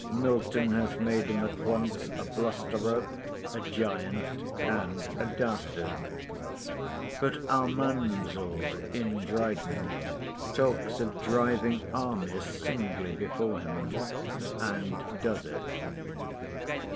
Milton has made him at once a blusterer, a giant, and a dastard. But Almanzor, in Dryden, talks of driving armies singly before him—and does it.